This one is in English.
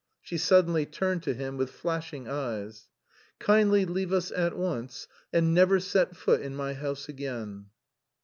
She suddenly turned to him with flashing eyes. "Kindly leave us at once, and never set foot in my house again."